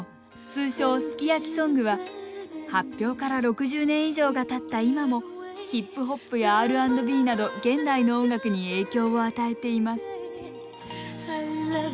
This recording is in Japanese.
通称「ＳＵＫＩＹＡＫＩ」ソングは発表から６０年以上がたった今もヒップホップやＲ＆Ｂなど現代の音楽に影響を与えています